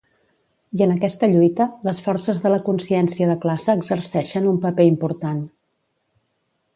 I en aquesta lluita, les forces de la consciència de classe exerceixen un paper important.